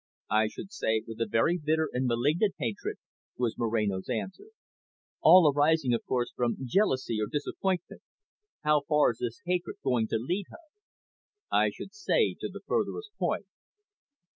"I should say with a very bitter and malignant hatred," was Moreno's answer. "All arising, of course, from jealousy or disappointment. How far is this hatred going to lead her?" "I should say to the furthest point."